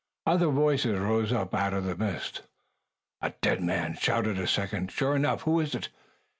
Other voices rose up out of the mist. "A dead man!" shouted a second. "Sure enough. Who is it?"